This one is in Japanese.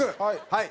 はい。